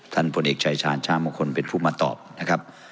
พลเอกชายชาญชามงคลเป็นผู้มาตอบนะครับ